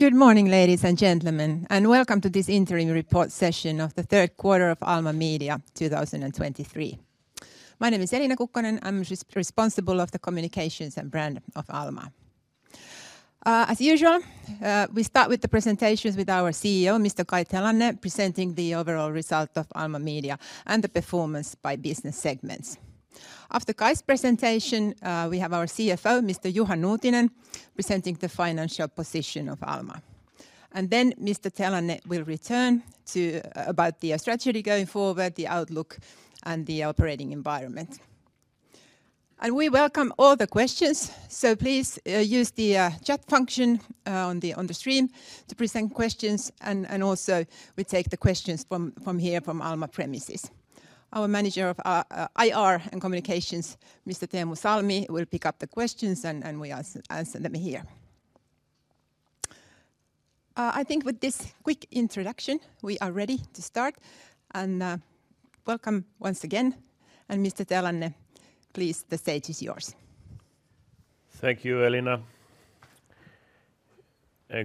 Good morning, ladies and gentlemen, and welcome to this interim report session of the third quarter of Alma Media 2023. My name is Elina Kukkonen. I'm responsible of the Communications and Brand of Alma. As usual, we start with the presentations with our CEO, Mr. Kai Telanne, presenting the overall result of Alma Media and the performance by business segments. After Kai's presentation, we have our CFO, Mr. Juha Nuutinen, presenting the financial position of Alma. Then Mr. Telanne will return to about the strategy going forward, the outlook, and the operating environment. We welcome all the questions, so please use the chat function on the stream to present questions and also we take the questions from here, from Alma premises. Our Manager of our IR and Communications, Mr. Teemu Salmi will pick up the questions, and we answer them here. I think with this quick introduction, we are ready to start, and welcome once again. Mr. Telanne, please, the stage is yours. Thank you, Elina.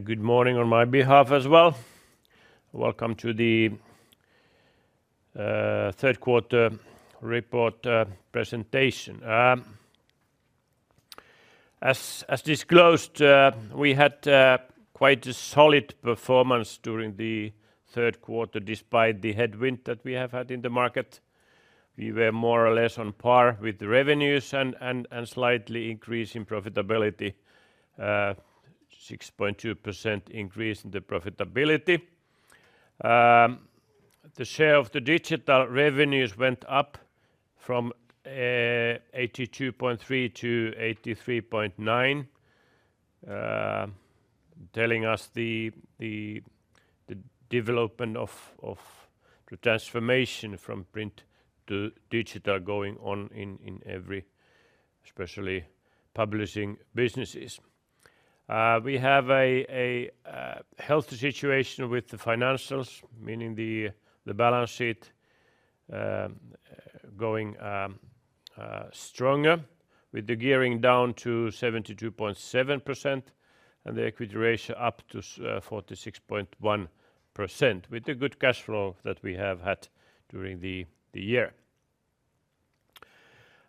Good morning on my behalf as well. Welcome to the third quarter report presentation. As disclosed, we had quite a solid performance during the third quarter, despite the headwind that we have had in the market. We were more or less on par with the revenues and slightly increase in profitability, 6.2% increase in the profitability. The share of the digital revenues went up from 82.3 to 83.9, telling us the development of the transformation from print to digital going on in every especially publishing businesses. We have a healthy situation with the financials, meaning the balance sheet, going stronger with the gearing down to 72.7% and the equity ratio up to 46.1%, with the good cash flow that we have had during the year.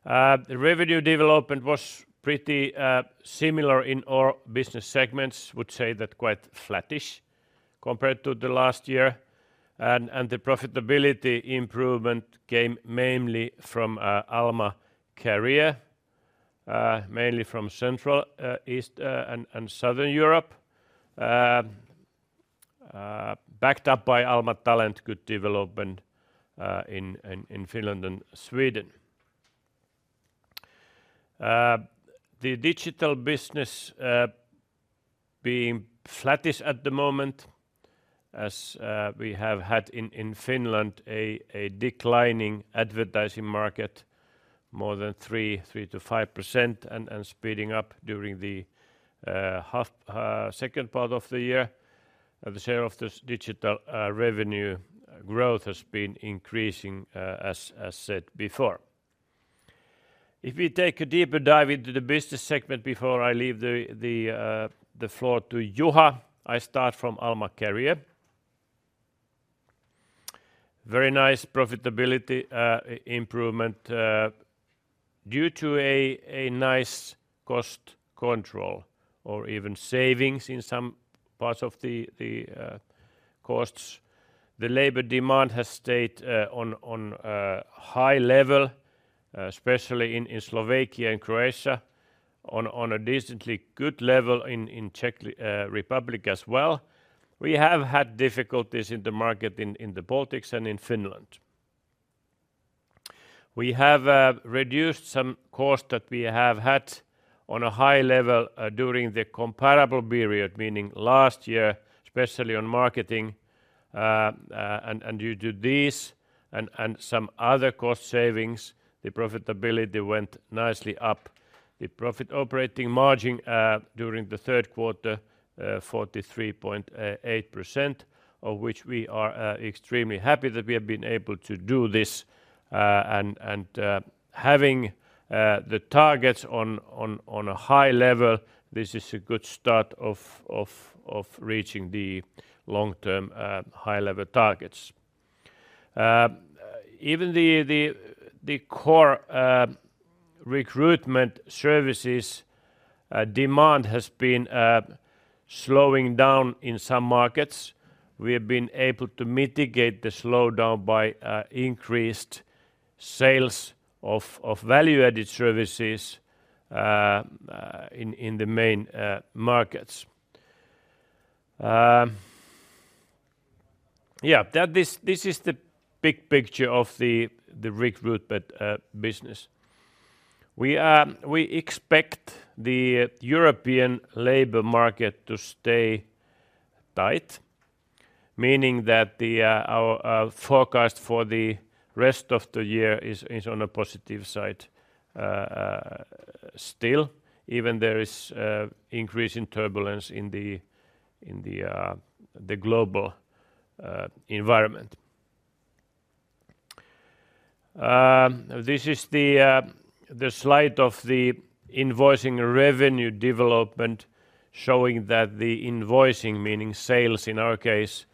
The revenue development was pretty similar in all business segments. Would say that quite flattish compared to the last year, and the profitability improvement came mainly from Alma Career, mainly from Central East and Southern Europe, backed up by Alma Talent good development in Finland and Sweden. The digital business being flattish at the moment as we have had in Finland a declining advertising market more than 3%-5%, and speeding up during the second part of the year. The share of this digital revenue growth has been increasing as said before. If we take a deeper dive into the business segment before I leave the floor to Juha, I start from Alma Career. Very nice profitability improvement due to a nice cost control or even savings in some parts of the costs. The labor demand has stayed on high level especially in Slovakia and Croatia, on a decently good level in Czech Republic as well. We have had difficulties in the market in the Baltics and in Finland. We have reduced some costs that we have had on a high level during the comparable period, meaning last year, especially on marketing. And due to this and some other cost savings, the profitability went nicely up. The profit operating margin during the third quarter 43.8%, of which we are extremely happy that we have been able to do this. And having the targets on a high level, this is a good start of reaching the long-term high-level targets. Even the core recruitment services demand has been slowing down in some markets. We have been able to mitigate the slowdown by increased sales of value-added services in the main markets. This is the big picture of the recruitment business. We expect the European labor market to stay tight, meaning that our forecast for the rest of the year is on a positive side still, even there is increase in turbulence in the global environment. This is the slide of the invoicing revenue development, showing that the invoicing, meaning sales in our case,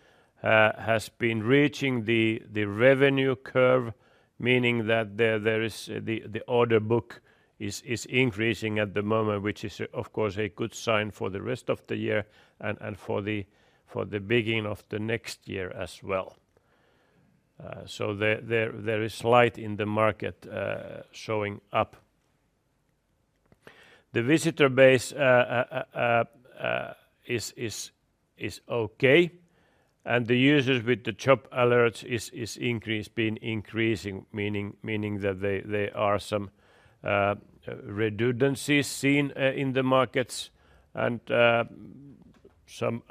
has been reaching the revenue curve, meaning that the order book is increasing at the moment, which is, of course, a good sign for the rest of the year and for the beginning of the next year as well. So there is light in the market showing up. The visitor base is okay, and the users with the job alerts has been increasing, meaning that there are some redundancies seen in the markets and some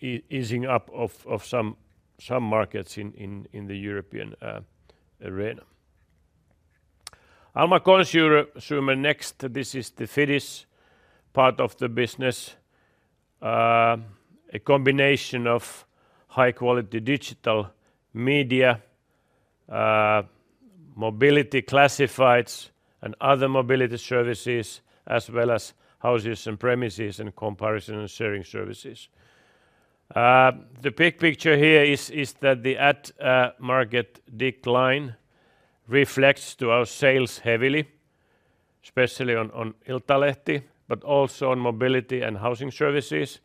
easing up of some markets in the European arena. Alma Consumer next. This is the Finnish part of the business. A combination of high-quality digital media, mobility classifieds, and other mobility services, as well as houses and premises and comparison and sharing services. The big picture here is that the ad market decline reflects to our sales heavily, especially on Iltalehti, but also on mobility and housing services.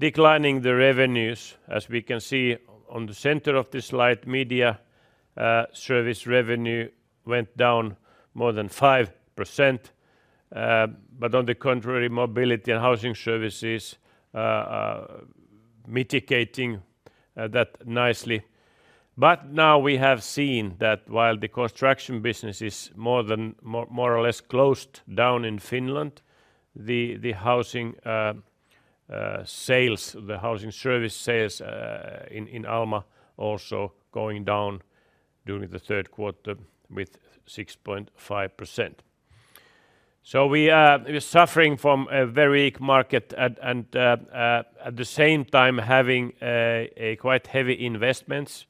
Declining the revenues, as we can see on the center of this slide, media service revenue went down more than 5%. But on the contrary, mobility and housing services are mitigating that nicely. But now we have seen that while the construction business is more or less closed down in Finland, the housing sales, the housing service sales, in Alma also going down during the third quarter with 6.5%. So we are, we're suffering from a very weak market and, and, at the same time having, a quite heavy investments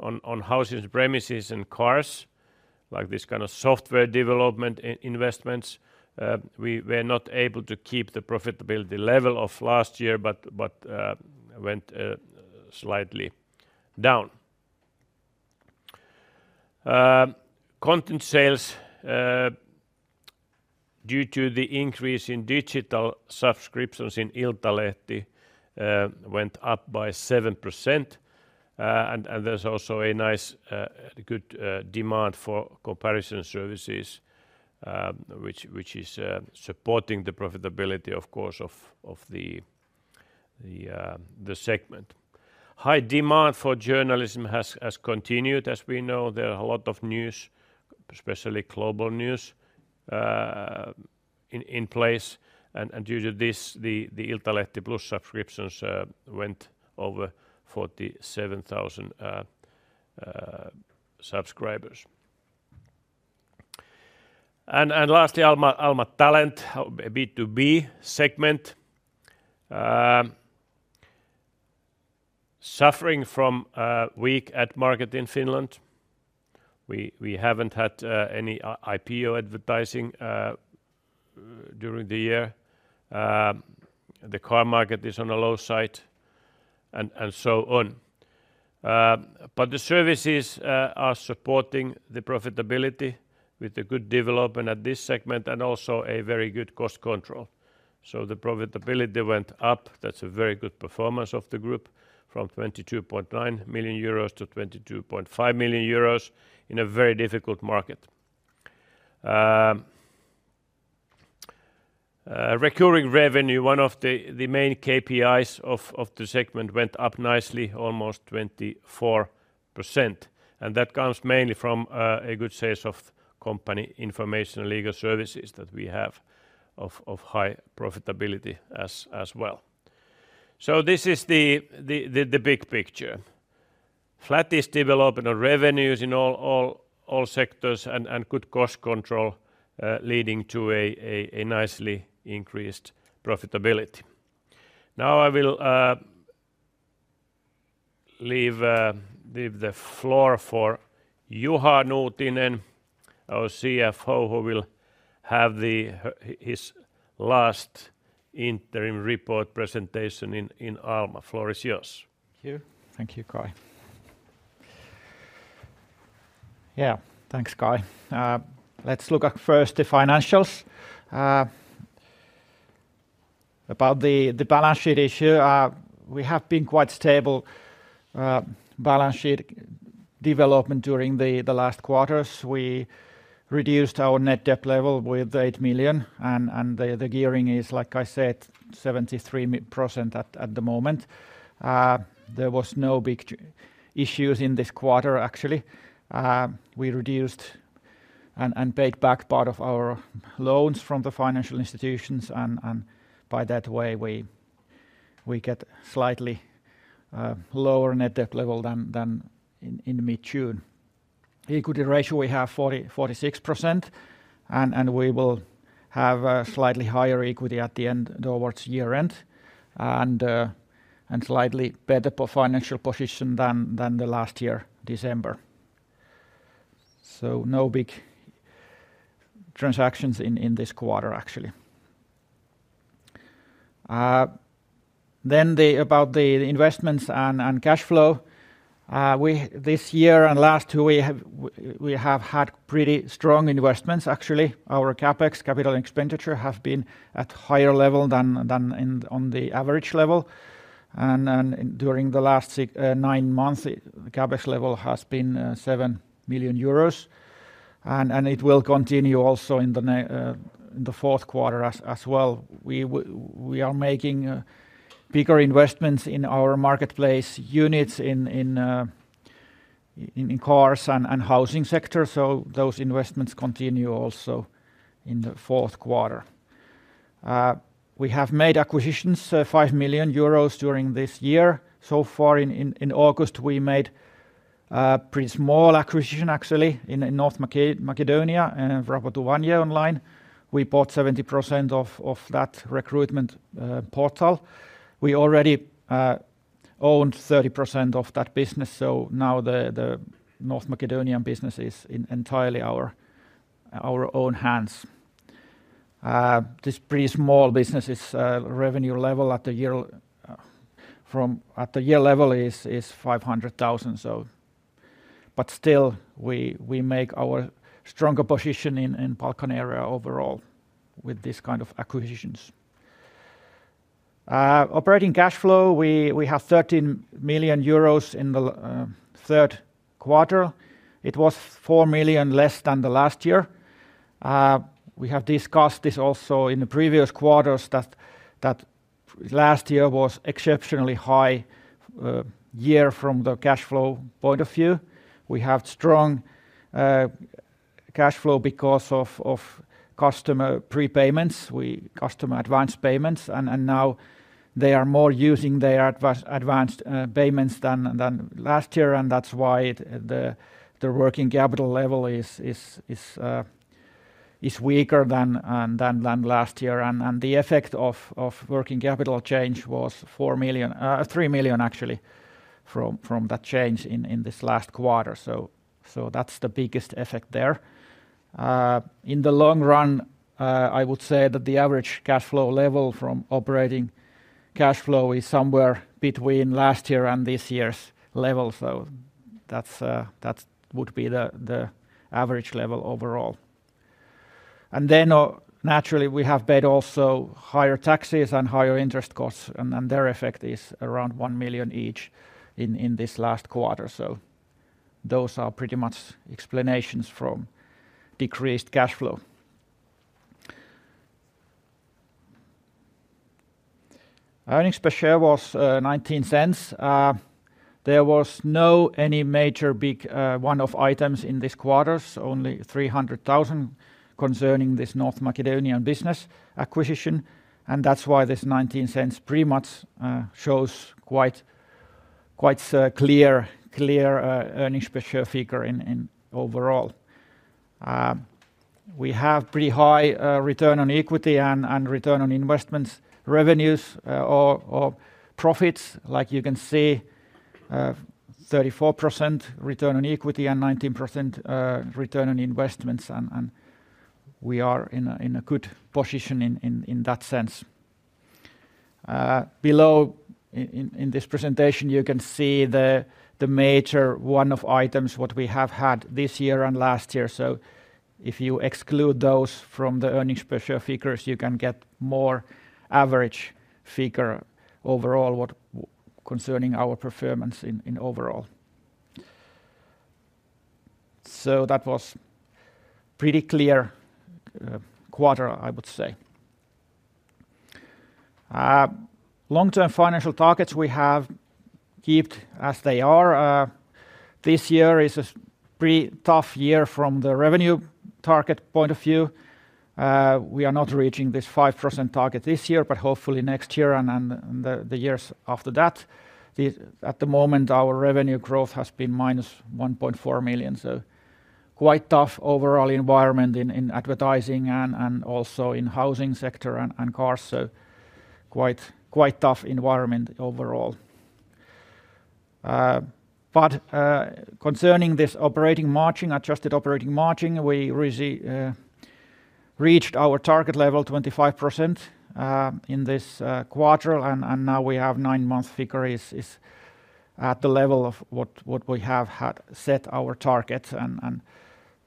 on, on houses, premises, and cars, like this kind of software development investments. We were not able to keep the profitability level of last year, but, but, went, slightly down. Content sales, due to the increase in digital subscriptions in Iltalehti, went up by 7%. And, and there's also a nice, good, demand for comparison services, which, which is, supporting the profitability, of course, of, of the, the, the segment. High demand for journalism has continued. As we know, there are a lot of news, especially global news, in place, and, and due to this, the, the Iltalehti Plus subscriptions, went over 47,000 subscribers. Lastly, Alma Talent, a B2B segment. Suffering from a weak ad market in Finland. We haven't had any IPO advertising during the year. The car market is on the low side, and so on. But the services are supporting the profitability with a good development at this segment and also a very good cost control. So the profitability went up. That's a very good performance of the group, from 22.9 million euros to 22.5 million euros in a very difficult market. Recurring revenue, one of the main KPIs of the segment, went up nicely, almost 24%, and that comes mainly from a good sales of company information and legal services that we have of high profitability as well. So this is the big picture. Flattish development of revenues in all sectors and good cost control, leading to a nicely increased profitability. Now, I will leave the floor for Juha Nuutinen, our CFO, who will have his last interim report presentation in Alma. Floor is yours. Thank you. Thank you, Kai. Yeah, thanks, Kai. Let's look at first the financials. About the balance sheet issue, we have been quite stable balance sheet development during the last quarters. We reduced our net debt level with 8 million, and the gearing is, like I said, 73% mid at the moment. There was no big issues in this quarter, actually. We reduced and paid back part of our loans from the financial institutions, and by that way, we get slightly lower net debt level than in mid-June. Equity ratio, we have 40.46%, and we will have a slightly higher equity at the end towards year-end, and slightly better financial position than the last year, December. So no big transactions in this quarter, actually. Then about the investments and cash flow, this year and last two, we have had pretty strong investments, actually. Our CapEx, capital expenditure, have been at higher level than in on the average level. And then during the last nine months, the CapEx level has been 7 million euros, and it will continue also in the fourth quarter as well. We are making bigger investments in our marketplace units, in cars and housing sector, so those investments continue also in the fourth quarter. We have made acquisitions, 5 million euros during this year. So far in August, we made pretty small acquisition actually in North Macedonia, Vrabotuvanje Online. We bought 70% of that recruitment portal. We already owned 30% of that business, so now the North Macedonian business is entirely our own hands. This pretty small business's revenue level at the year level is 500,000, so. But still, we make our stronger position in Balkan area overall with this kind of acquisitions. Operating cash flow, we have 13 million euros in the third quarter. It was 4 million less than the last year. We have discussed this also in the previous quarters, that last year was exceptionally high year from the cash flow point of view. We have strong cash flow because of customer prepayments. We... Customer advance payments, and now they are more using their advanced payments than last year, and that's why the working capital level is weaker than last year. And the effect of working capital change was 4 million, 3 million, actually, from that change in this last quarter. So that's the biggest effect there. In the long run, I would say that the average cash flow level from operating cash flow is somewhere between last year and this year's level, so that would be the average level overall. And then, naturally, we have paid also higher taxes and higher interest costs, and then their effect is around 1 million each in this last quarter. So those are pretty much explanations from decreased cash flow. Earnings per share was 0.19. There was no any major big one-off items in this quarter, only 300,000 concerning this North Macedonian business acquisition, and that's why this 0.19 pretty much shows quite clear earnings per share figure in overall. We have pretty high return on equity and return on investments, revenues or profits, like you can see, 34% return on equity and 19% return on investments, and we are in a good position in that sense. Below in this presentation, you can see the major one-off items, what we have had this year and last year. So if you exclude those from the earnings per share figures, you can get more average figure overall, what concerning our performance overall. So that was pretty clear quarter, I would say. Long-term financial targets we have kept as they are. This year is a pretty tough year from the revenue target point of view. We are not reaching this 5% target this year, but hopefully next year and then the years after that. At the moment, our revenue growth has been -1.4 million, so quite tough overall environment in advertising and also in housing sector and cars, so quite tough environment overall. But concerning this operating margin, adjusted operating margin, we reached our target level, 25% in this quarter, and now we have nine-month figure is at the level of what we have had set our targets, and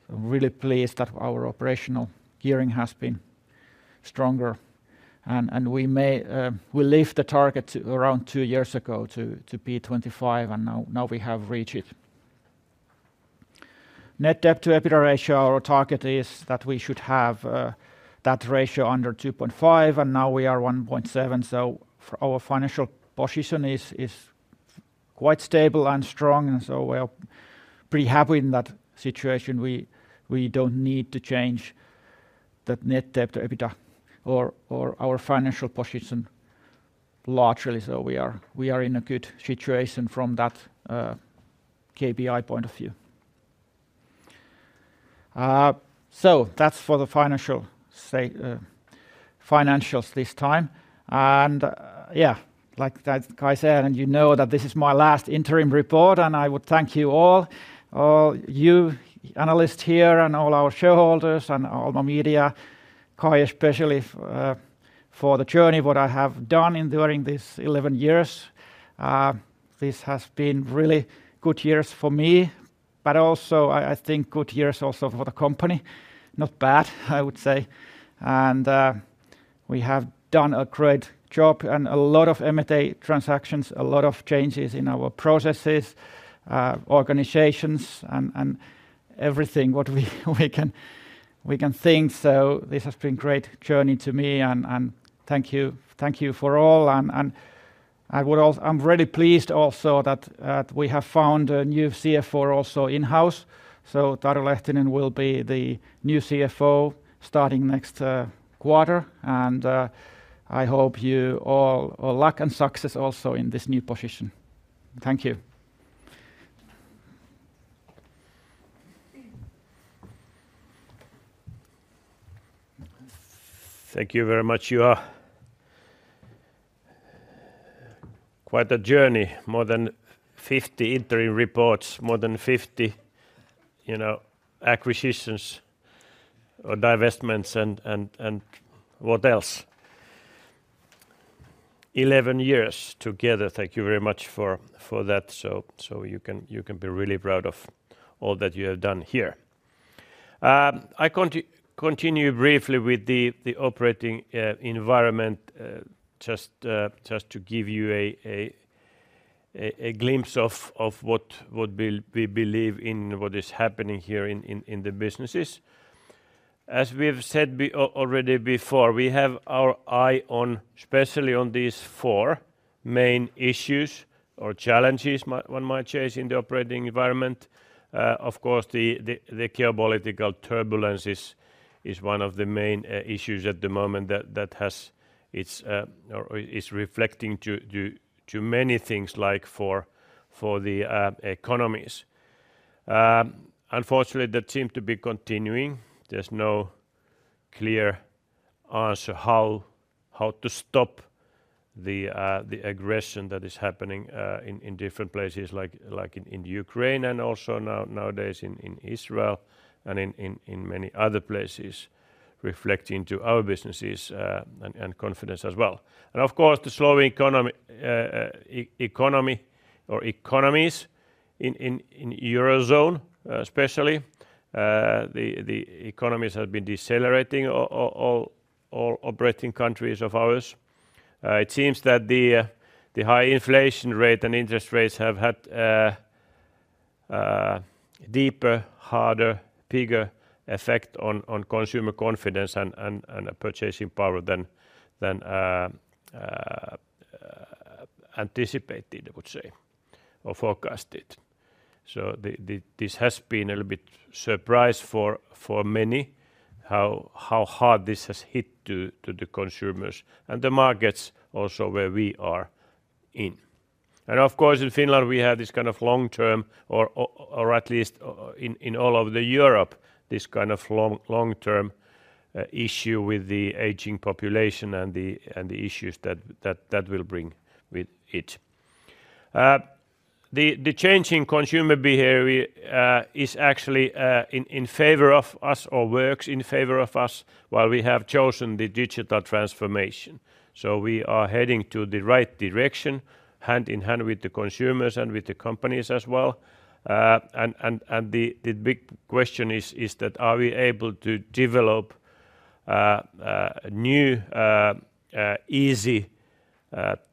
really pleased that our operational gearing has been stronger. And we may... We left the target around two years ago to be 25%, and now we have reached it. Net debt to EBITDA ratio, our target is that we should have that ratio under 2.5x, and now we are 1.7x, so for our financial position is quite stable and strong, and so we are pretty happy in that situation. We don't need to change that net debt to EBITDA or our financial position-... Largely, so we are in a good situation from that KPI point of view. So that's for the financials this time. And, yeah, like that Kai said, and you know that this is my last interim report, and I would thank you all, all you analysts here, and all our shareholders, and all the media, Kai especially for the journey what I have done in during this 11 years. This has been really good years for me, but also I think good years also for the company. Not bad, I would say. And, we have done a great job and a lot of M&A transactions, a lot of changes in our processes, organizations, and everything what we can think. So this has been great journey to me, and thank you, thank you for all. I'm really pleased also that we have found a new CFO also in-house. So Taru Lehtinen will be the new CFO starting next quarter. And I hope you all luck and success also in this new position. Thank you. Thank you very much. You are quite a journey, more than 50 interim reports, more than 50, you know, acquisitions or divestments, and, and, and what else? 11 years together. Thank you very much for that. So you can be really proud of all that you have done here. I continue briefly with the operating environment, just to give you a glimpse of what we believe in, what is happening here in the businesses. As we've said already before, we have our eye on, especially on these four main issues or challenges one might say, is in the operating environment. Of course, the geopolitical turbulence is one of the main issues at the moment that is reflecting to many things like for the economies. Unfortunately, that seem to be continuing. There's no clear answer how to stop the aggression that is happening in different places like in Ukraine and also nowadays in Israel and in many other places, reflecting to our businesses and confidence as well. Of course, the slowing economy or economies in Eurozone especially, the economies have been decelerating over all operating countries of ours. It seems that the high inflation rate and interest rates have had deeper, harder, bigger effect on consumer confidence and purchasing power than anticipated, I would say, or forecasted. So this has been a little bit surprise for many, how hard this has hit to the consumers and the markets also where we are in. And of course, in Finland, we have this kind of long-term, or at least in all over the Europe, this kind of long-term issue with the aging population and the issues that will bring with it. The change in consumer behavior is actually in favor of us or works in favor of us, while we have chosen the digital transformation. So we are heading to the right direction, hand in hand with the consumers and with the companies as well. The big question is that are we able to develop new easy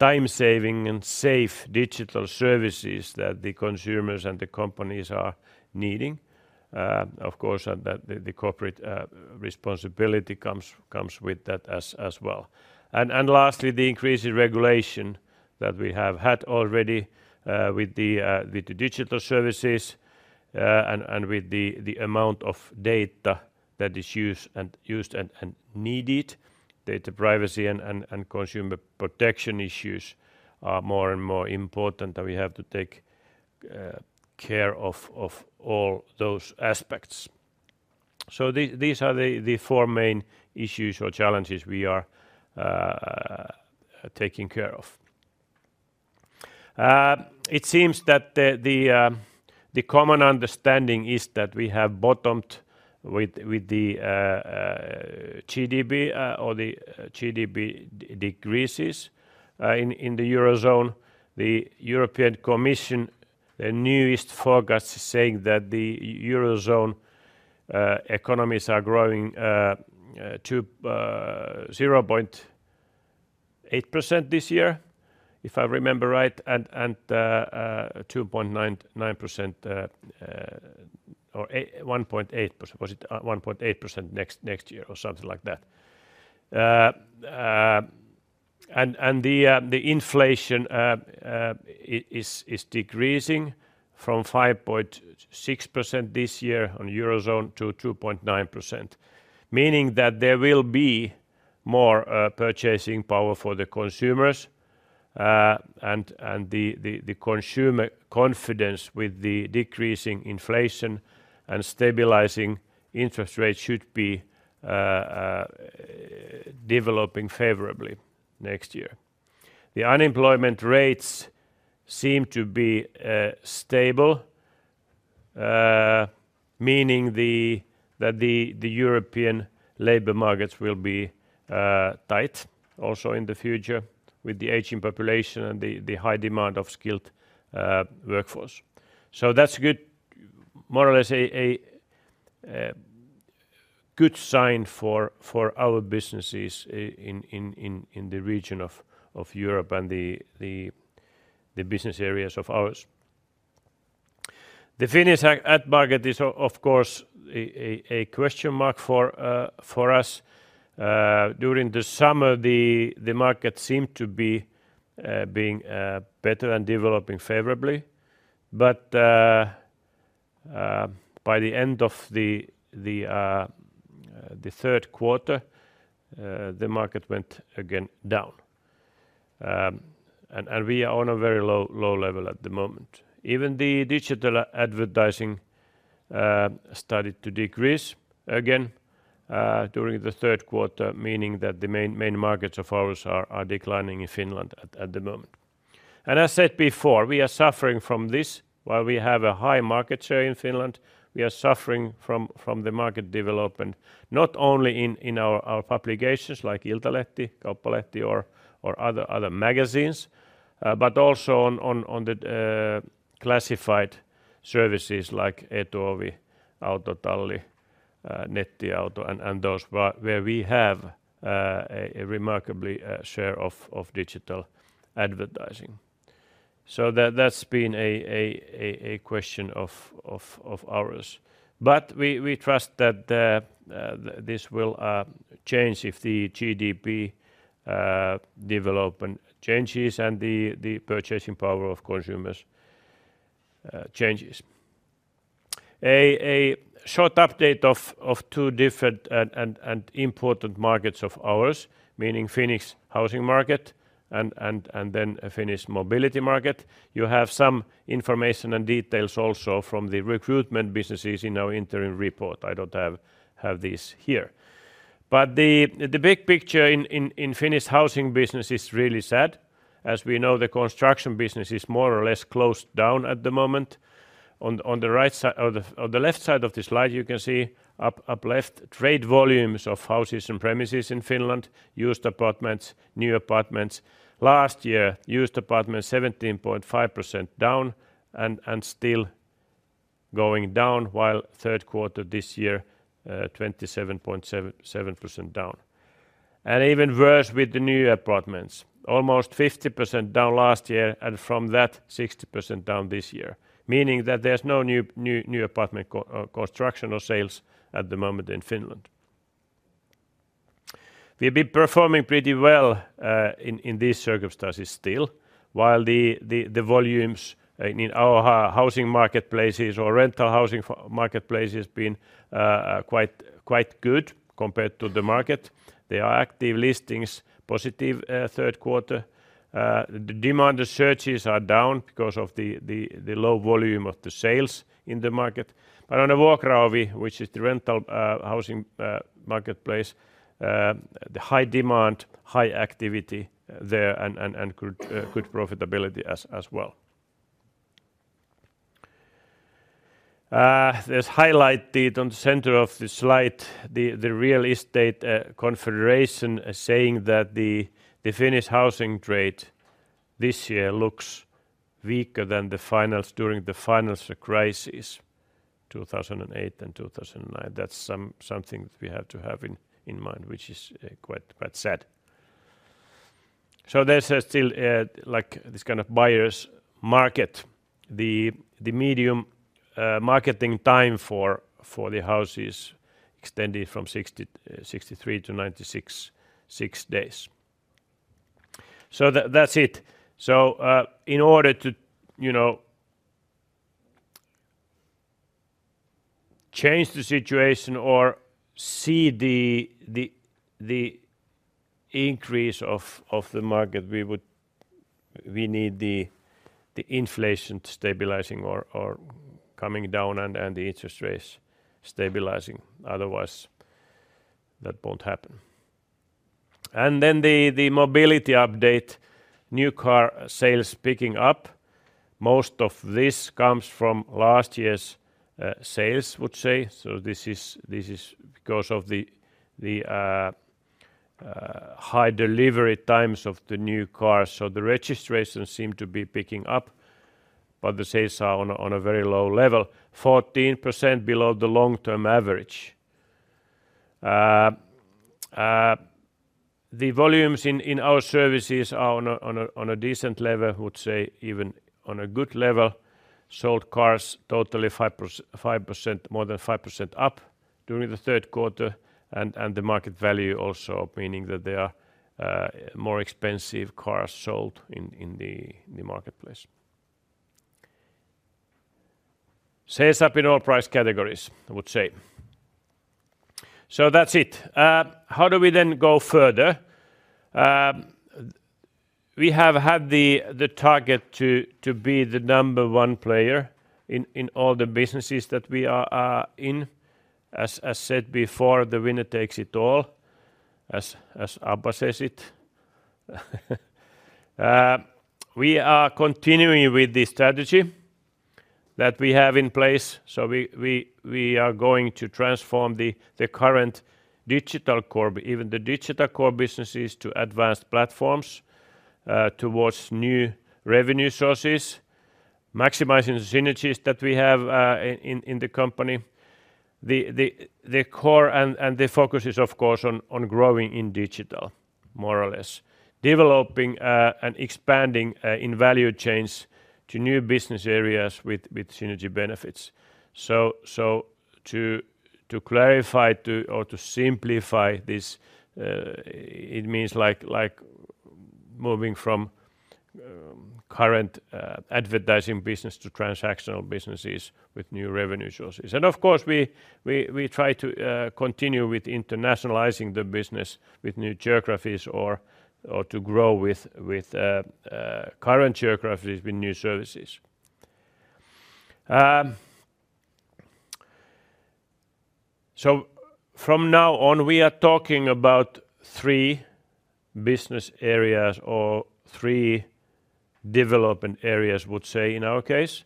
time-saving and safe digital services that the consumers and the companies are needing? Of course, and that the corporate responsibility comes with that as well. Lastly, the increased regulation that we have had already with the digital services and with the amount of data that is used and needed. Data privacy and consumer protection issues are more and more important, and we have to take care of all those aspects. So these are the four main issues or challenges we are taking care of. It seems that the common understanding is that we have bottomed with the GDP or the GDP decreases in the Eurozone. The European Commission, the newest forecast is saying that the Eurozone economies are growing to 0.8% this year, if I remember right, and 2.9% or 1.8%, was it? 1.8% next year or something like that. And the inflation is decreasing from 5.6% this year in Eurozone to 2.9%, meaning that there will be more purchasing power for the consumers. And the consumer confidence with the decreasing inflation and stabilizing interest rates should be developing favorably next year. The unemployment rates seem to be stable, meaning that the European labor markets will be tight also in the future with the aging population and the high demand of skilled workforce. So that's good, more or less a good sign for our businesses in the region of Europe and the business areas of ours. The Finnish ad market is of course a question mark for us. During the summer, the market seemed to be being better and developing favorably. But by the end of the third quarter, the market went again down. We are on a very low level at the moment. Even the digital advertising started to decrease again during the third quarter, meaning that the main markets of ours are declining in Finland at the moment. And I said before, we are suffering from this. While we have a high market share in Finland, we are suffering from the market development, not only in our publications like Iltalehti, Kauppalehti or other magazines, but also on the classified services like Etuovi, Autotalli, Nettiauto, and those where we have a remarkably share of digital advertising. So that, that's been a question of ours. But we trust that this will change if the GDP development changes and the purchasing power of consumers changes. A short update of two different and important markets of ours, meaning Finnish housing market and then Finnish mobility market. You have some information and details also from the recruitment businesses in our interim report. I don't have this here. But the big picture in Finnish housing business is really sad. As we know, the construction business is more or less closed down at the moment. On the right side... On the left side of the slide, you can see upper left, trade volumes of houses and premises in Finland, used apartments, new apartments. Last year, used apartments, 17.5% down, and still going down, while third quarter this year, 27.7% down. And even worse with the new apartments, almost 50% down last year, and from that, 60% down this year, meaning that there's no new apartment construction or sales at the moment in Finland. We've been performing pretty well in these circumstances still, while the volumes in our housing marketplaces or rental housing marketplace has been quite good compared to the market. There are active listings, positive third quarter. The demand, the searches are down because of the low volume of the sales in the market. But on the Vuokraovi, which is the rental housing marketplace, the high demand, high activity there, and good profitability as well. There's highlighted on the center of the slide, the real estate confederation is saying that the Finnish housing trade this year looks weaker than during the financial crisis, 2008 and 2009. That's something that we have to have in mind, which is quite sad. So there's still like this kind of buyer's market. The median marketing time for the house is extended from 63 to 96 days. So that's it. So, in order to, you know, change the situation or see the increase of the market, we need the inflation stabilizing or coming down and the interest rates stabilizing. Otherwise, that won't happen. And then the mobility update, new car sales picking up. Most of this comes from last year's sales, would say. So this is because of the high delivery times of the new cars. So the registrations seem to be picking up, but the sales are on a very low level, 14% below the long-term average. The volumes in our services are on a decent level, I would say, even on a good level. Sold cars, totally 5%, more than 5% up during the third quarter, and the market value also, meaning that there are more expensive cars sold in the marketplace. Sales up in all price categories, I would say. So that's it. How do we then go further? We have had the target to be the number one player in all the businesses that we are in. As said before, the winner takes it all, as ABBA says it. We are continuing with the strategy that we have in place, so we are going to transform the current digital core, even the digital core businesses, to advanced platforms, towards new revenue sources, maximizing the synergies that we have in the company. The core and the focus is, of course, on growing in digital, more or less. Developing and expanding in value chains to new business areas with synergy benefits. So to clarify or to simplify this, it means like moving from current advertising business to transactional businesses with new revenue sources. And of course, we try to continue with internationalizing the business with new geographies or to grow with current geographies with new services. So from now on, we are talking about three business areas or three development areas, would say in our case: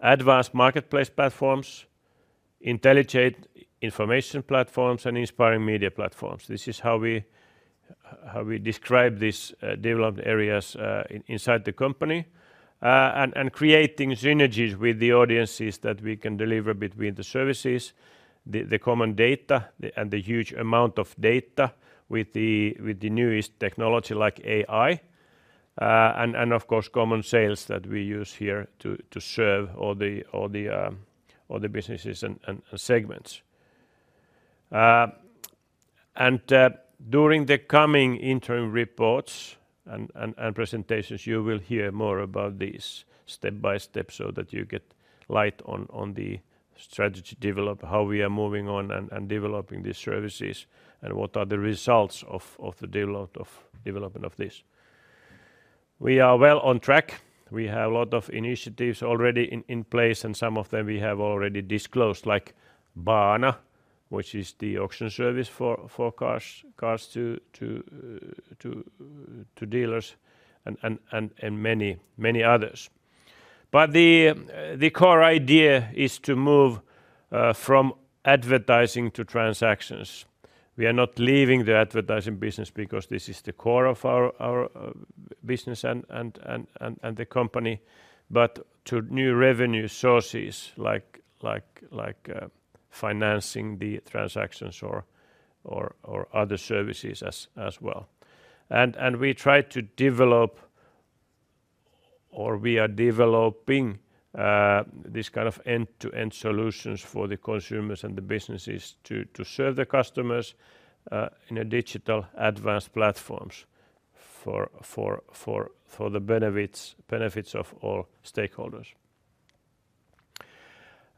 advanced marketplace platforms, intelligent information platforms, and inspiring media platforms. This is how we describe this developed areas inside the company. and creating synergies with the audiences that we can deliver between the services, the common data, and the huge amount of data with the newest technology like AI, and of course, common sales that we use here to serve all the businesses and segments. And during the coming interim reports and presentations, you will hear more about this step by step, so that you get light on the strategy develop, how we are moving on and developing these services, and what are the results of the development of this. We are well on track. We have a lot of initiatives already in place, and some of them we have already disclosed, like Baana, which is the auction service for cars to dealers and many others. But the core idea is to move from advertising to transactions. We are not leaving the advertising business because this is the core of our business and the company, but to new revenue sources like financing the transactions or other services as well. And we try to develop, or we are developing, this kind of end-to-end solutions for the consumers and the businesses to serve the customers in a digital advanced platforms for the benefits of all stakeholders.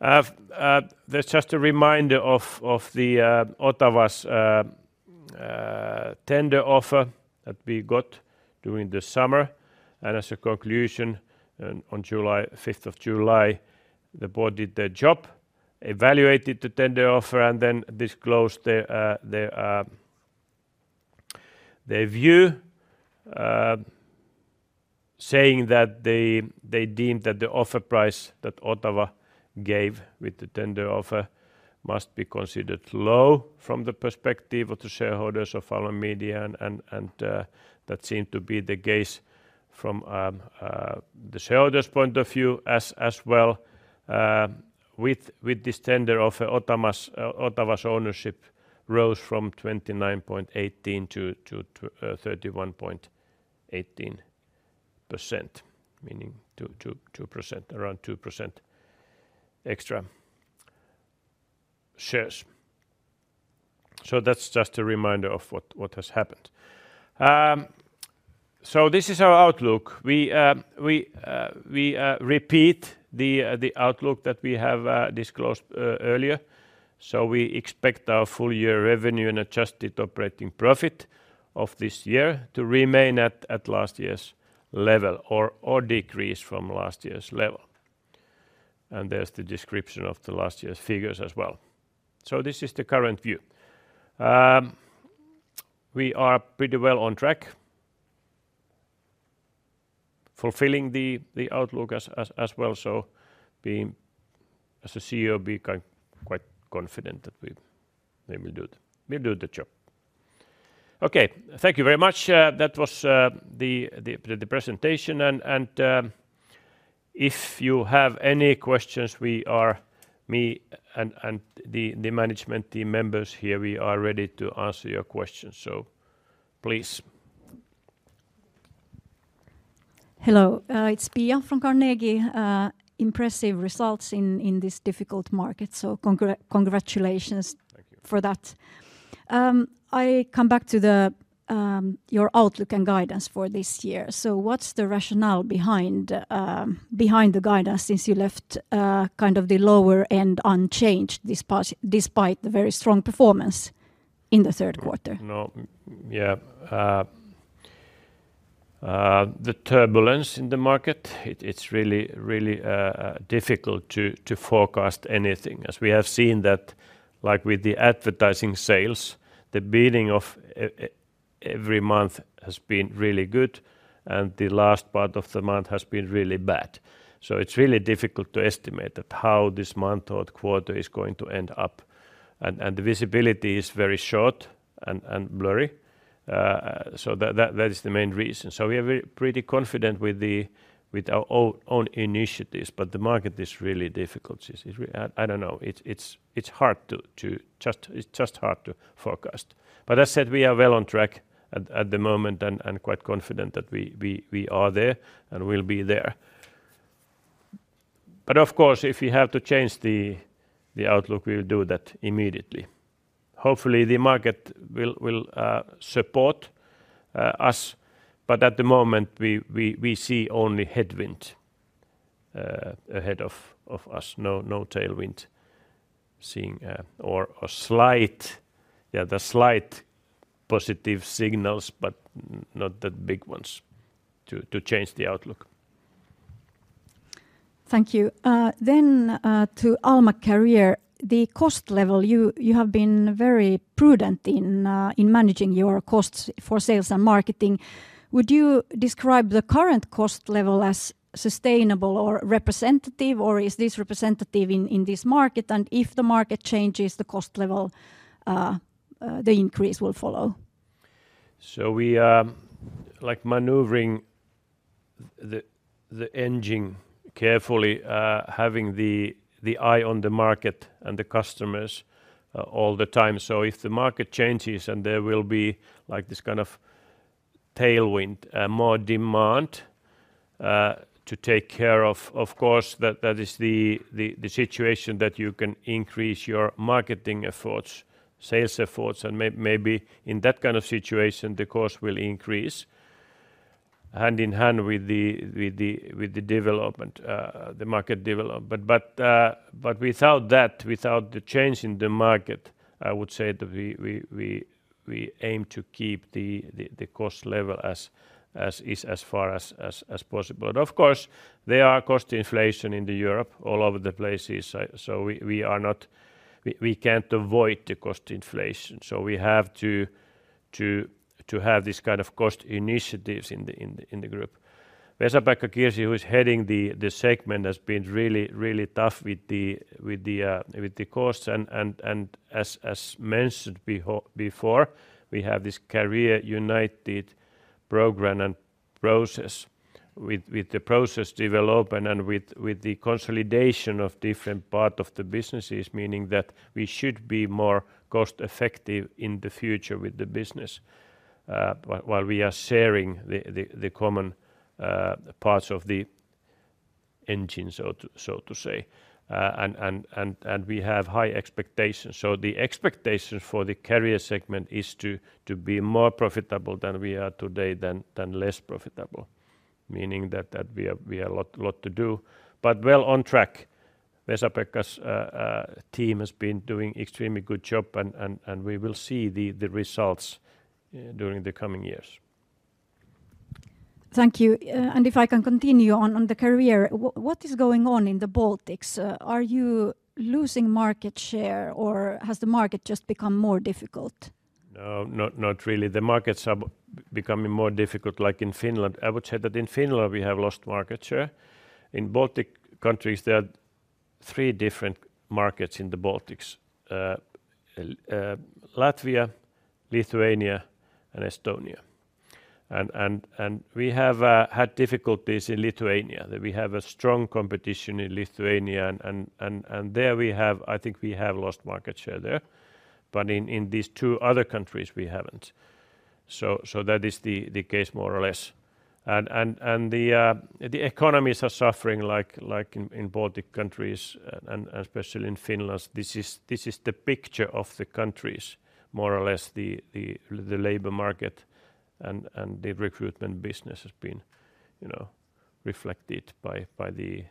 That's just a reminder of the Otava's tender offer that we got during the summer. As a conclusion, on July fifth, the board did their job, evaluated the tender offer, and then disclosed their view, saying that they deemed that the offer price that Otava gave with the tender offer must be considered low from the perspective of the shareholders of Alma Media, and that seemed to be the case from the shareholders' point of view as well. With this tender offer, Otava's ownership rose from 29.18% to 31.18%, meaning 2%, around 2% extra shares. That's just a reminder of what has happened. So this is our outlook. We repeat the outlook that we have disclosed earlier. So we expect our full year revenue and adjusted operating profit of this year to remain at last year's level or decrease from last year's level. And there's the description of the last year's figures as well. So this is the current view. We are pretty well on track... fulfilling the outlook as well. So, as a CEO, being quite confident that we will do it. We'll do the job. Okay. Thank you very much. That was the presentation and, if you have any questions, we are, me and the management team members here, we are ready to answer your questions. So please. Hello, it's Pia from Carnegie. Impressive results in this difficult market, so congratulations- For that. I come back to your outlook and guidance for this year. So what's the rationale behind the guidance since you left kind of the lower end unchanged this past despite the very strong performance in the third quarter? No. Yeah. The turbulence in the market, it's really, really difficult to forecast anything. As we have seen that, like with the advertising sales, the beginning of every month has been really good, and the last part of the month has been really bad. So it's really difficult to estimate that how this month or the quarter is going to end up. And the visibility is very short and blurry. So that is the main reason. So we are pretty confident with our own initiatives, but the market is really difficult. It's really. I don't know. It's hard to just... It's just hard to forecast. But as said, we are well on track at the moment and quite confident that we are there and we'll be there. But of course, if you have to change the outlook, we will do that immediately. Hopefully, the market will support us, but at the moment, we see only headwind ahead of us, no tailwind seeing, or a slight, the slight positive signals, but not the big ones to change the outlook. Thank you. To Alma Career, the cost level, you have been very prudent in managing your costs for sales and marketing. Would you describe the current cost level as sustainable or representative, or is this representative in this market? And if the market changes the cost level, the increase will follow. So we like maneuvering the engine carefully, having the eye on the market and the customers all the time. So if the market changes, and there will be like this kind of tailwind, more demand to take care of, of course, that is the situation that you can increase your marketing efforts, sales efforts, and maybe in that kind of situation, the cost will increase hand-in-hand with the development, the market development. But without that, without the change in the market, I would say that we aim to keep the cost level as is, as far as possible. But of course, there are cost inflation in the Europe, all over the places. So, we are not, we can't avoid the cost inflation, so we have to have this kind of cost initiatives in the group. Vesa-Pekka Kirsi, who is heading the segment, has been really, really tough with the costs. And, as mentioned before, we have this Career United program and process with the process development and with the consolidation of different part of the businesses, meaning that we should be more cost-effective in the future with the business, while we are sharing the common parts of the engine, so to say. And we have high expectations. So the expectation for the career segment is to be more profitable than we are today than less profitable, meaning that we have a lot to do. But well on track, Vesa-Pekka's team has been doing extremely good job, and we will see the results during the coming years. Thank you. And if I can continue on the Career, what is going on in the Baltics? Are you losing market share, or has the market just become more difficult? No, not really. The markets are becoming more difficult, like in Finland. I would say that in Finland, we have lost market share. In the Baltics, there are three different markets in the Baltics: Latvia, Lithuania, and Estonia. And we have had difficulties in Lithuania, that we have a strong competition in Lithuania, and there we have I think we have lost market share there. But in these two other countries, we haven't. So that is the case, more or less. And the economies are suffering like in the Baltics, and especially in Finland. This is the picture of the countries, more or less, the labor market and the recruitment business has been, you know, reflected by the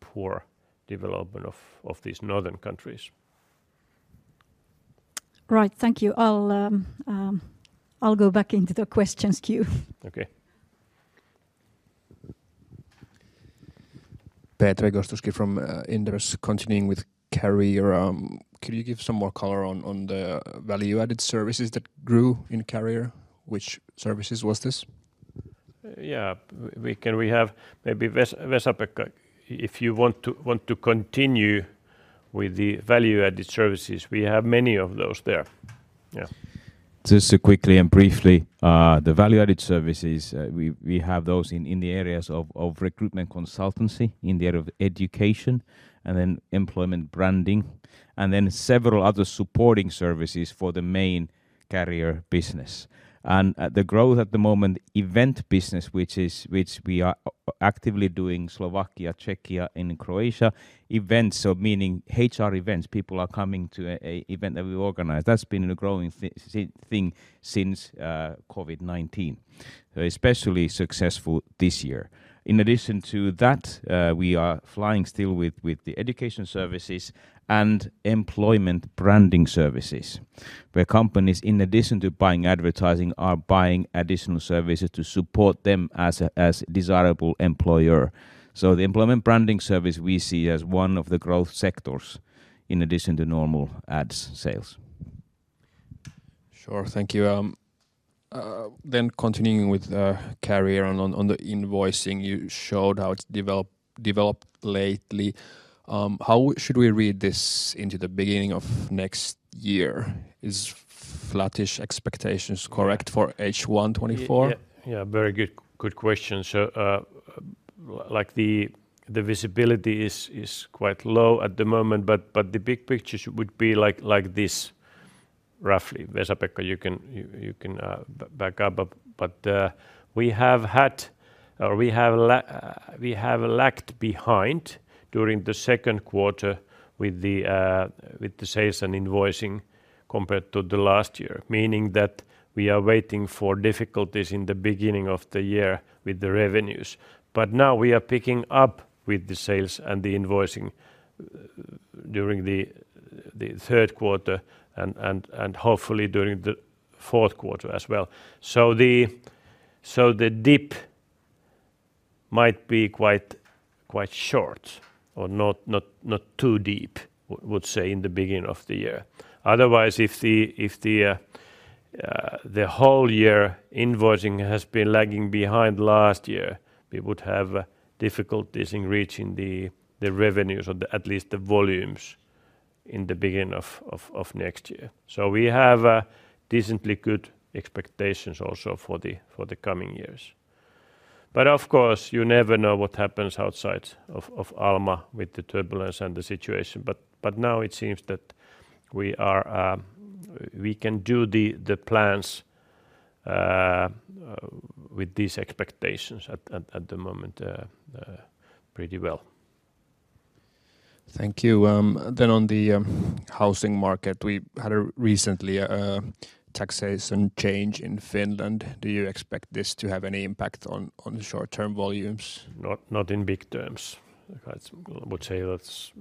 poor development of these northern countries. Right. Thank you. I'll go back into the questions queue. Okay. Petri Gostowski from Inderes. Continuing with Career, could you give some more color on the value-added services that grew in Career? Which services was this? Yeah. Can we have maybe Vesa-Pekka, if you want to continue with the value-added services? We have many of those there. Yeah. Just quickly and briefly, the value-added services, we have those in the areas of recruitment consultancy, in the area of education, and then employment branding, and then several other supporting services for the main career business. The growth at the moment, event business, which we are actively doing Slovakia, Czechia, and Croatia events. So meaning HR events, people are coming to an event that we organize. That's been a growing thing since COVID-19, especially successful this year. In addition to that, we are flying still with the education services and employment branding services, where companies, in addition to buying advertising, are buying additional services to support them as a desirable employer. So the employment branding service we see as one of the growth sectors, in addition to normal ads sales. Sure. Thank you. Then continuing with carry on the invoicing, you showed how it's developed lately. How should we read this into the beginning of next year? Is flattish expectations correct for H1 2024? Yeah, yeah. Very good, good question. So, like the visibility is quite low at the moment, but the big picture would be like this, roughly. Vesa-Pekka, you can back up. But we have had, or we have lagged behind during the second quarter with the sales and invoicing compared to the last year, meaning that we are waiting for difficulties in the beginning of the year with the revenues. But now we are picking up with the sales and the invoicing during the third quarter and hopefully during the fourth quarter as well. So the dip might be quite short or not too deep, we'd say, in the beginning of the year. Otherwise, if the whole year invoicing has been lagging behind last year, we would have difficulties in reaching the revenues or at least the volumes in the beginning of next year. So we have a decently good expectations also for the coming years. But of course, you never know what happens outside of Alma with the turbulence and the situation. But now it seems that we can do the plans with these expectations at the moment pretty well. Thank you. Then on the housing market, we had recently a taxation change in Finland. Do you expect this to have any impact on the short-term volumes? Not, not in big terms. I would say that's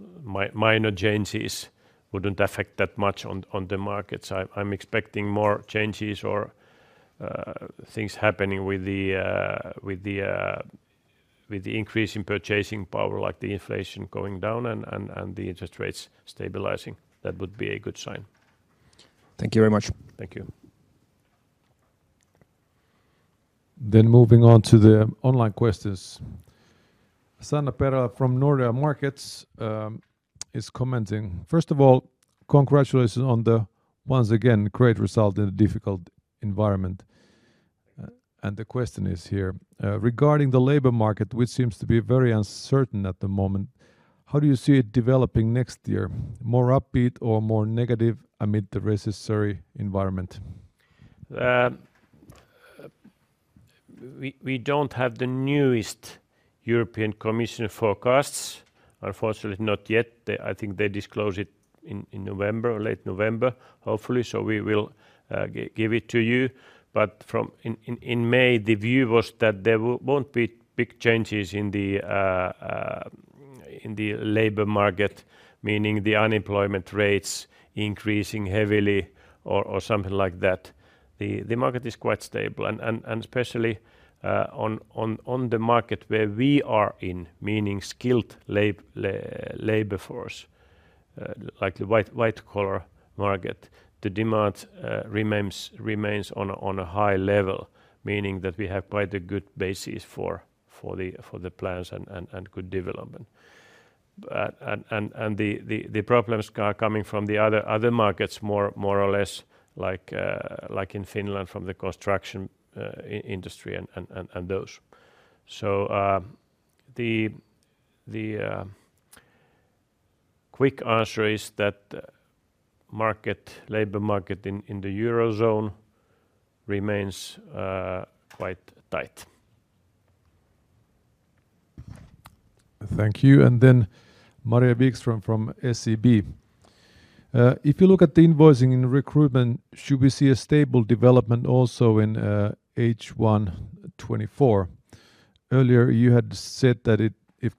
minor changes wouldn't affect that much on the markets. I'm expecting more changes or things happening with the increase in purchasing power, like the inflation going down and the interest rates stabilizing. That would be a good sign. Thank you very much. Thank you. Then moving on to the online questions. Sanna Perälä from Nordea Markets is commenting: First of all, congratulations on the, once again, great result in a difficult environment. And the question is here: Regarding the labor market, which seems to be very uncertain at the moment, how do you see it developing next year? More upbeat or more negative amid the necessary environment? We don't have the newest European Commission forecasts, unfortunately not yet. They—I think they disclose it in November or late November, hopefully, so we will give it to you. But from in May, the view was that there won't be big changes in the labor market, meaning the unemployment rates increasing heavily or something like that. The market is quite stable and especially on the market where we are in, meaning skilled labor force, like the white-collar market, the demand remains on a high level, meaning that we have quite a good basis for the plans and good development. And the problems are coming from the other markets, more or less, like in Finland, from the construction industry and those. So, the quick answer is that the labor market in the Eurozone remains quite tight. Thank you. And then Maria Wikström from SEB: If you look at the invoicing and recruitment, should we see a stable development also in H1 2024? Earlier, you had said that if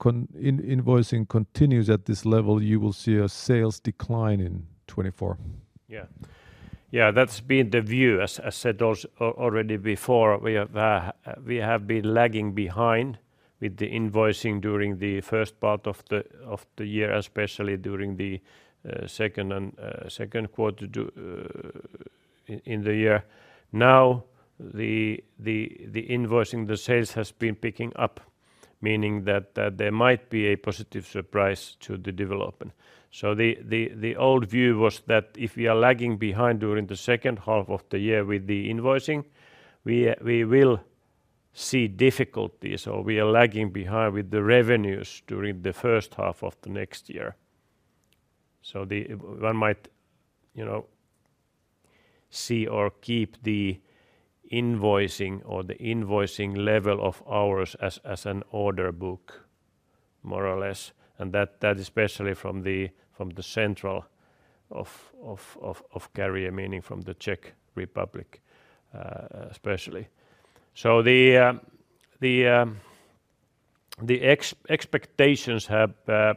invoicing continues at this level, you will see a sales decline in 2024. Yeah. Yeah, that's been the view. As said also already before, we have, we have been lagging behind with the invoicing during the first part of the year, especially during the second quarter in the year. Now, the invoicing, the sales has been picking up, meaning that there might be a positive surprise to the development. So the old view was that if we are lagging behind during the second half of the year with the invoicing, we, we will see difficulties or we are lagging behind with the revenues during the first half of the next year. So one might, you know, see or keep the invoicing or the invoicing level of ours as, as an order book, more or less, and that especially from the central Career, meaning from the Czech Republic, especially. So the expectations have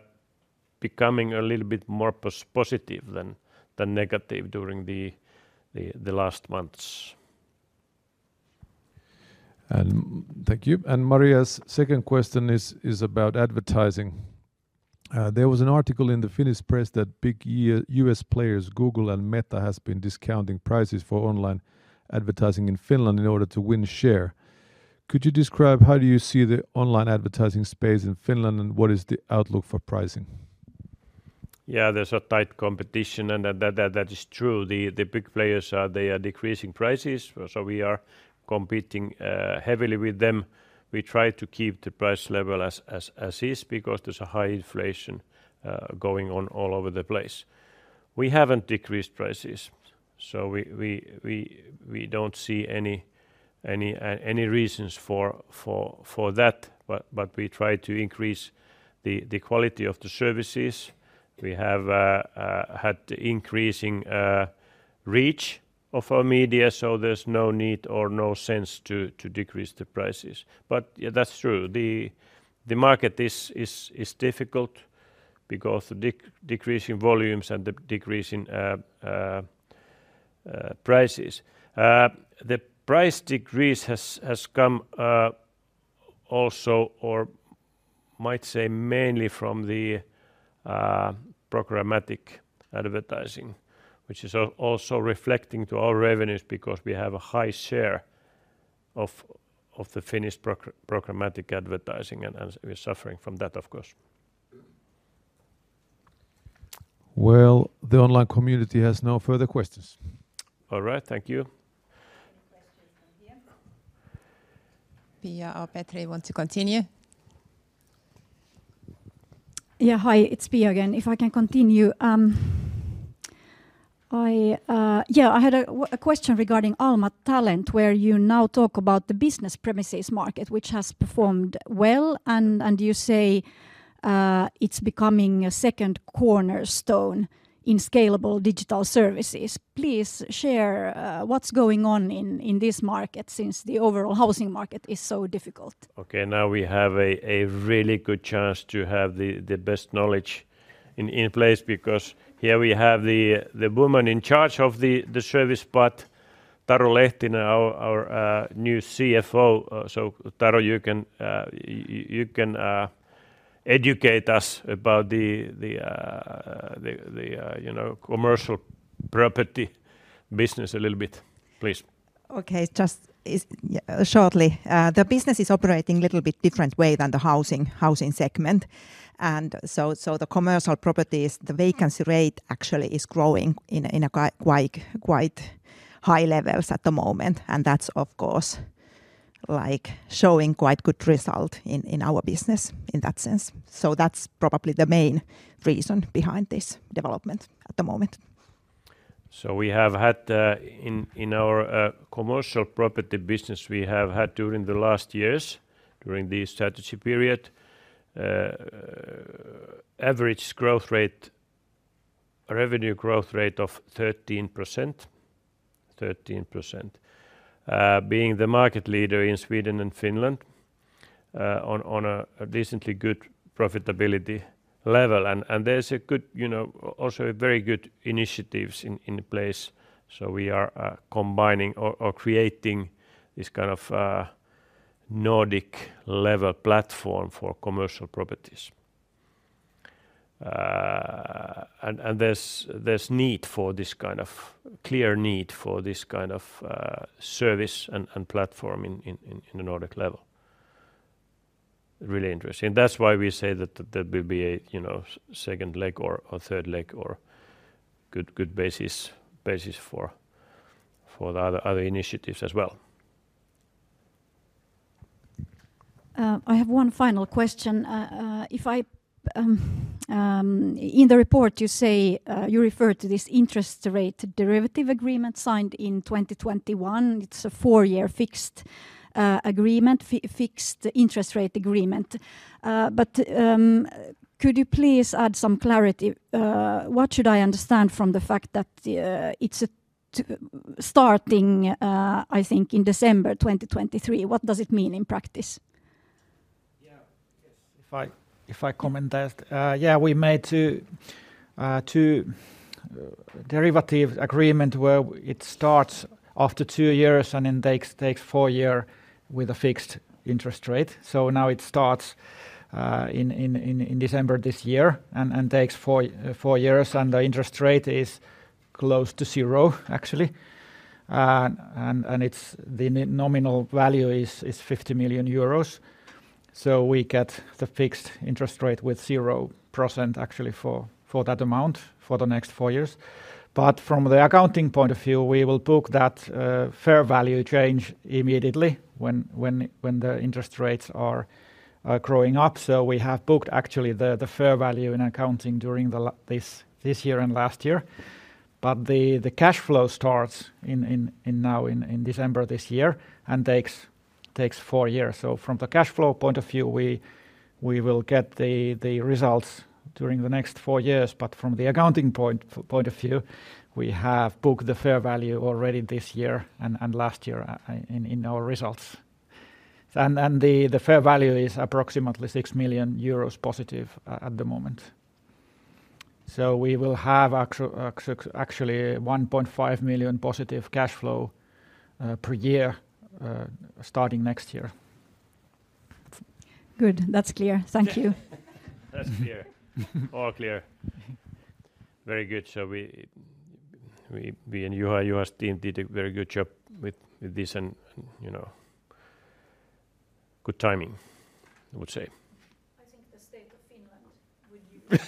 becoming a little bit more positive than negative during the last months. Thank you. Maria's second question is about advertising. There was an article in the Finnish press that big three U.S. players, Google and Meta, has been discounting prices for online advertising in Finland in order to win share. Could you describe how do you see the online advertising space in Finland, and what is the outlook for pricing? Yeah, there's a tight competition, and that is true. The big players are decreasing prices, so we are competing heavily with them. We try to keep the price level as is, because there's a high inflation going on all over the place. We haven't decreased prices, so we don't see any reasons for that. But we try to increase the quality of the services. We have had increasing reach of our media, so there's no need or no sense to decrease the prices. But, yeah, that's true. The market is difficult because the decrease in volumes and the decrease in prices. The price decrease has come also, or might say, mainly from the programmatic advertising, which is also reflecting to our revenues because we have a high share of the Finnish programmatic advertising, and we're suffering from that, of course. Well, the online community has no further questions. All right. Thank you. Pia or Petri want to continue? Yeah, hi, it's Pia again. If I can continue, I had a question regarding Alma Talent, where you now talk about the business premises market, which has performed well, and you say it's becoming a second cornerstone in scalable digital services. Please share what's going on in this market since the overall housing market is so difficult. Okay, now we have a really good chance to have the best knowledge in place, because here we have the woman in charge of the service part, Taru Lehtinen, our new CFO. So Taru, you can educate us about the, you know, commercial property business a little bit, please. Okay, just shortly, the business is operating little bit different way than the housing, housing segment. So the commercial properties, the vacancy rate actually is growing in quite high levels at the moment, and that's, of course, like showing quite good result in our business in that sense. So that's probably the main reason behind this development at the moment. So we have had in our commercial property business, we have had during the last years, during the strategy period, average growth rate, revenue growth rate of 13%, 13%. Being the market leader in Sweden and Finland, on a decently good profitability level. And there's a good, you know, also a very good initiatives in place, so we are combining or creating this kind of Nordic-level platform for commercial properties. And there's a clear need for this kind of service and platform in a Nordic level. Really interesting. That's why we say that there will be a, you know, second leg or third leg or good basis for the other initiatives as well. I have one final question. If I... In the report, you say you refer to this interest rate derivative agreement signed in 2021. It's a four-year fixed agreement, fixed interest rate agreement. But could you please add some clarity? What should I understand from the fact that it's starting, I think, in December 2023? What does it mean in practice? Yeah. Yes, if I comment that, yeah, we made two derivative agreement where it starts after two years and then takes four years with a fixed interest rate. So now it starts in December this year and takes four years, and the interest rate is close to 0%, actually. And it's the nominal value is 50 million euros. So we get the fixed interest rate with 0% actually for that amount, for the next four years. But from the accounting point of view, we will book that fair value change immediately when the interest rates are growing up. So we have booked actually the fair value in accounting during this year and last year. But the cash flow starts in December this year and takes four years. So from the cash flow point of view, we will get the results during the next four years. But from the accounting point of view, we have booked the fair value already this year and last year in our results. And then, the fair value is approximately 6 million euros positive at the moment. So we will have actually 1.5 million positive cash flow per year starting next year. Good. That's clear. Thank you. That's clear. All clear. Very good. So we, me and you, your team did a very good job with this and, you know, good timing, I would say.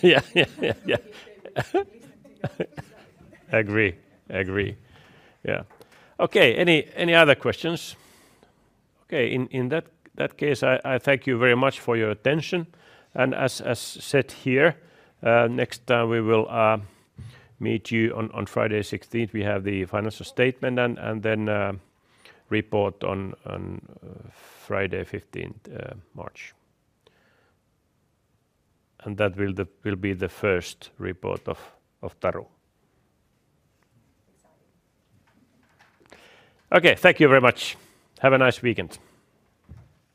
Yeah, yeah, yeah, yeah. Agree. Agree. Yeah. Okay, any other questions? Okay, in that case, I thank you very much for your attention. And as said here, next, we will meet you on Friday 16th. We have the financial statement and then report on Friday 15th, March. And that will be the first report of Taru. Okay, thank you very much. Have a nice weekend!